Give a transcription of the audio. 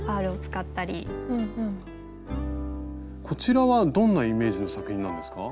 こちらはどんなイメージの作品なんですか？